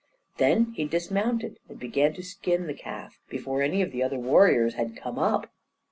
Then he dismounted and began to skin the calf, before any of the other warriors had come up.